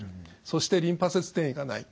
そしてリンパ節転移がない。